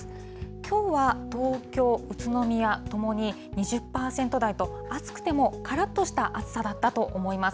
きょうは東京、宇都宮ともに２０％台と、暑くてもからっとした暑さだったと思います。